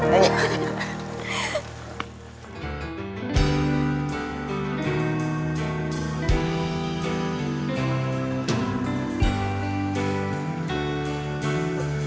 api api apa yang lu kan beli